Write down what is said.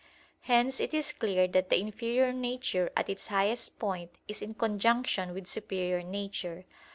Hence it is clear that the inferior nature at its highest point is in conjunction with superior nature.